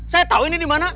saya tau ini dimana